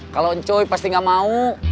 kalau encoy pasti gak mau